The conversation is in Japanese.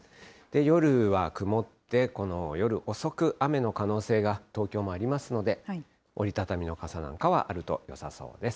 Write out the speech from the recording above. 夜は曇って、この夜遅く、雨の可能性が、東京もありますので、折り畳みの傘なんかはあるとよさそうです。